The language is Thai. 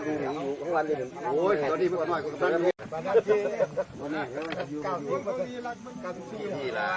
อุ้ยแล้วดีมากหน่อยรอดออกมากเลย